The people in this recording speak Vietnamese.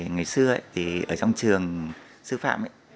ngày xưa ở trong trường sư phạm